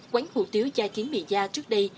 quán hủ tiếu gia kiến mì gia trước đây